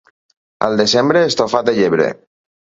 Al desembre, estofat de llebre.